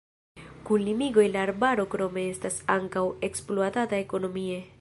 Kun limigoj la arbaro krome estas ankaŭ ekspluatata ekonomie.